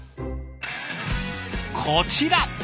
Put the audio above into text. こちら。